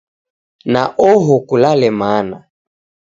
Na oho kulale mana.